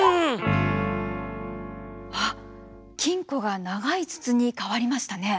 あっ金庫が長い筒に変わりましたね。